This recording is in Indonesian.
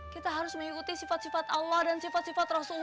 kita harus mengikuti sifat sifat allah dan sifat sifat rasulullah